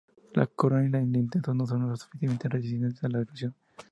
La corona y el interno no son lo suficientemente resistentes a la erosión.